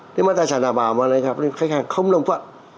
nếu mà tài sản đảm bảo mà anh gặp khách hàng không nồng phận